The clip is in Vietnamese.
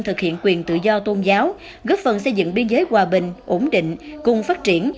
thực hiện quyền tự do tôn giáo góp phần xây dựng biên giới hòa bình ổn định cùng phát triển